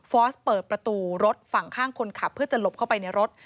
สเปิดประตูรถฝั่งข้างคนขับเพื่อจะหลบเข้าไปในรถ